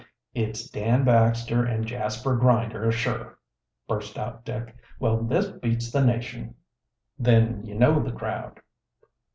"It's Dan Baxter and Jasper Grinder sure!" burst out Dick. "Well, this beats the nation." "Then you know the crowd?"